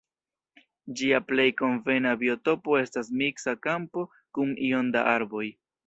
Ĝia plej konvena biotopo estas miksa kampo kun iom da arboj.